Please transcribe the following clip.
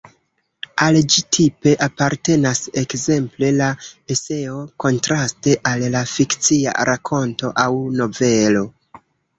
Al ĝi tipe apartenas, ekzemple, la eseo kontraste al la fikcia rakonto aŭ novelo.